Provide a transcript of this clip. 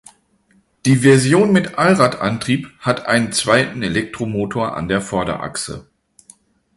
Die Version mit Allradantrieb hat einen zweiten Elektromotor an der Vorderachse.